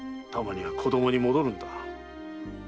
たまには子供に戻るんだ。